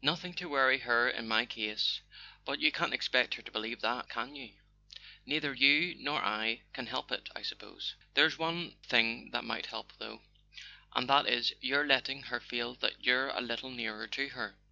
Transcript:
Nothing to worry her in my case—but you can't expect her to believe that, can you ? Neither you nor I can help it, I suppose. "There's one thing that might help, though; and that is, your letting her feel that you're a little nearer to her.